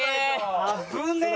危ねえ！